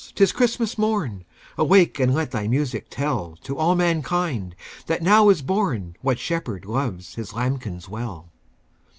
't is Christmas morn Awake and let thy music tell To all mankind that now is born What Shepherd loves His lambkins well!"